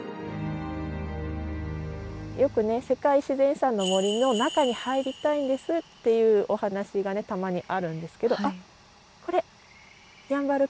よくね世界自然遺産の森の中に入りたいんですっていうお話がたまにあるんですけど。